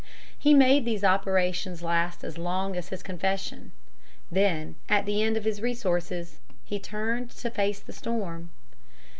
He made these operations last as long as his confession. Then, at an end of his resources, he turned to face the storm.